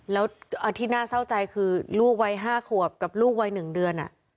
แล้วที่น่าเศร้าใจคือลูกวัย๕ขวบกับลูกวัย๑เดือน